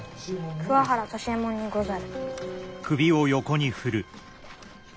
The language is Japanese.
「桑原利右衛門にござる」。